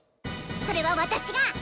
それは私が！